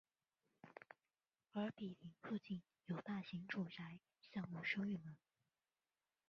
而毗邻附近有大型住宅项目升御门。